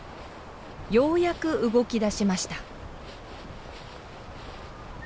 ようやく動きだしました。